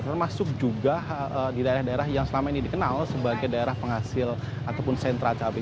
termasuk juga di daerah daerah yang selama ini dikenal sebagai daerah penghasil ataupun sentra cabai